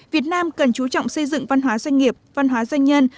việt nam cần chú trọng xây dựng văn hóa doanh nghiệp văn hóa doanh nhân